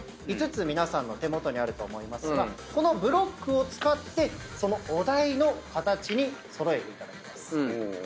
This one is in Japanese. ５つ皆さんの手元にあると思いますがこのブロックを使ってそのお題の形に揃えていただきます。